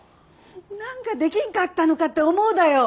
何かできんかったのかって思うだよ。